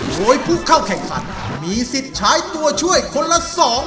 โดยผู้เข้าแข่งขันมีสิทธิ์ใช้ตัวช่วยคนละ๒๐๐